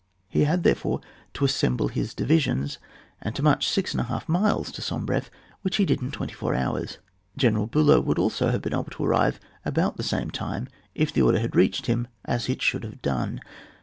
He had therefore then to assemble his di visions, and to march six and a half miles to SombreflF, which he did in 24 hours. General Bidow would also have been able to arrive about the same time, if the order had reached him as it should have done.